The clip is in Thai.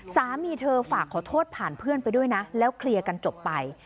สามีเธอฝากขอโทษผ่านเพื่อนไปด้วยนะแล้วเคลียร์กันจบไป